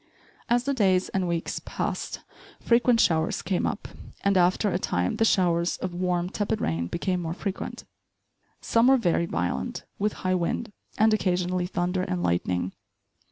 As the days and weeks passed, frequent showers came up; and after a time, the showers of warm, tepid rain became more frequent. Some were very violent, with high wind, and occasionally thunder and lightning.